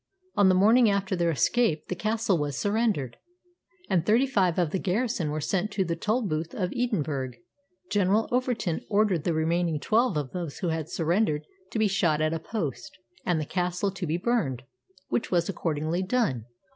On the morning after their escape the castle was surrendered, and thirty five of the garrison were sent to the Tolbooth of Edinburgh. General Overton ordered the remaining twelve of those who had surrendered to be shot at a post, and the castle to be burned, which was accordingly done."